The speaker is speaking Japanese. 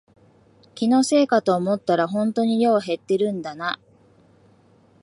気のせいかと思ったらほんとに量減ってるんだな